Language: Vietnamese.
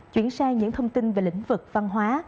chuyển sang những thông tin về lĩnh vực văn hóa